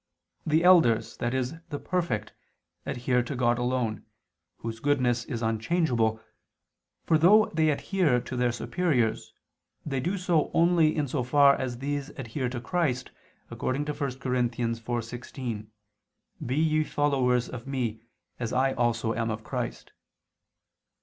The elders, i.e. the perfect, adhere to God alone, Whose goodness is unchangeable, for though they adhere to their superiors, they do so only in so far as these adhere to Christ, according to 1 Cor. 4:16: "Be ye followers of me, as I also am of Christ."